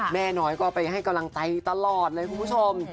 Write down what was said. แม่น้อยก็ไปให้กำลังใจตลอดเลยคุณผู้ชม